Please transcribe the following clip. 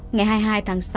ngày hai mươi hai tháng sáu